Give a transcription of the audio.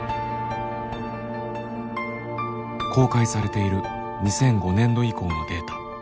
公開されている２００５年度以降のデータ。